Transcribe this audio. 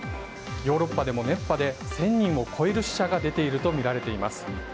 ヨーロッパでも熱波で１０００人を超える死者が出ているとみられています。